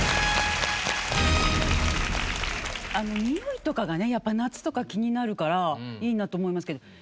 においとかがねやっぱり夏とか気になるからいいなと思いますけど。